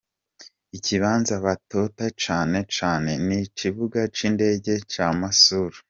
Ikibanza batota cane cane n'ikibuga c'indege ca Mosul.